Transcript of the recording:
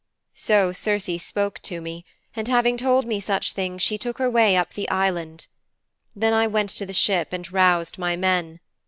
"' 'So Circe spoke to me, and having told me such things she took her way up the island. Then I went to the ship and roused my men.